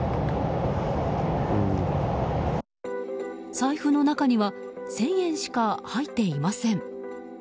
財布の中には１０００円しか入っていません。